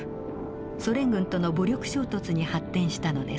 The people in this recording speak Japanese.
ソ連軍との武力衝突に発展したのです。